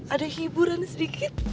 ada hiburan sedikit